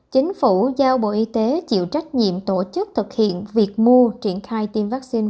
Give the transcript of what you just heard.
chính phủ giao bộ y tế chịu trách nhiệm tổ chức thực hiện việc mua triển khai tiêm vaccine